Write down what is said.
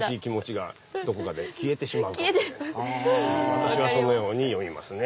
私はそのように読みますね。